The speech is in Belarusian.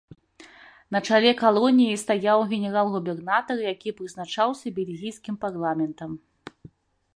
На чале калоніі стаяў генерал-губернатар, які прызначаўся бельгійскім парламентам.